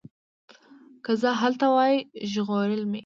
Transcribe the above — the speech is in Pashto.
که زه هلته وای ژغورلي مي